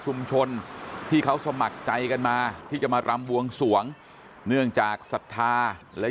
ที่เขาสมัครใจกันมาที่จะมารำบวงสวงเนื่องจากศรัทธาและ